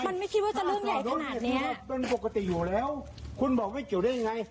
มันไม่คิดว่าจะเรื่องใหญ่ขนาดเนี้ยมันปกติอยู่แล้วคุณบอกไม่เกี่ยวได้ยังไง